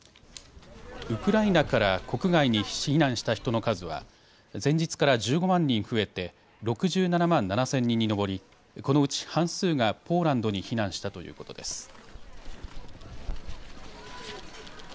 ウクライナから国外に避難した人の数は前日から１５万人増えて６７万７０００人に上りこのうち半数がポーランドに避難したということです。